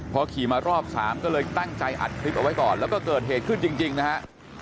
พอขี่มารอบ๓ก็เลยตั้งใจอัดคลิปเอาไว้ก่อนแล้วก็เกิดเหตุขึ้นจริงนะฮะ